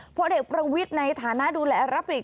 พ่อเด็กประวิทย์ในฐานะดูแลรับผลิต